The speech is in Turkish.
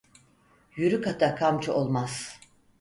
Yürük ata kamçı olmaz.